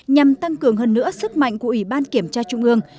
nhằm tăng cường hơn nữa sức mạnh của ủy ban kiểm tra trung ương